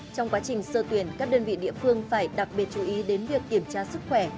trong quá trình sơ tuyển các đơn vị địa phương phải đặc biệt chú ý đến việc kiểm tra sức khỏe